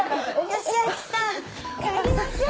良明さん帰りましょう。